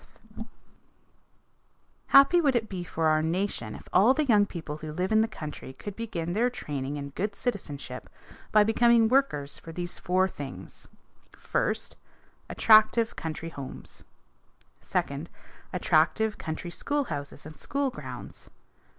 A COUNTRY ROAD IN MECKLENBURG COUNTY, NORTH CAROLINA] Happy would it be for our nation if all the young people who live in the country could begin their training in good citizenship by becoming workers for these four things: First, attractive country homes. Second, attractive country schoolhouses and school grounds.